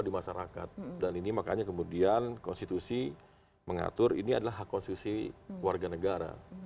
di masyarakat dan ini makanya kemudian konstitusi mengatur ini adalah hak konstitusi warga negara